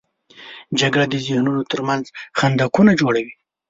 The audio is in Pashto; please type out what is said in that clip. جګړه د ذهنونو تر منځ خندقونه جوړوي